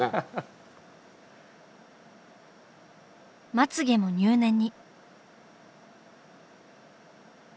まつげも入念に。